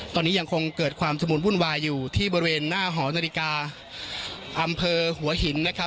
ตอนนี้ยังคงเกิดความชุดมุนวุ่นวายอยู่ที่บริเวณหน้าหอนาฬิกาอำเภอหัวหินนะครับ